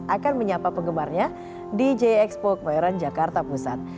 akan menyapa penggemarnya di j expo kemayoran jakarta pusat